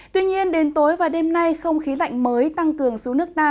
tuy nhiên đến tối và đêm nay không khí lạnh mới tăng cường xuống nước ta